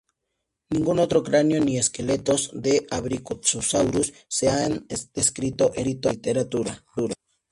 Ningún otro cráneo ni esqueletos de "Abrictosauru"s se han descrito en la literatura.